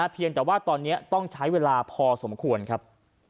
เพียงแต่ว่าตอนนี้ต้องใช้เวลาพอสมควรครับ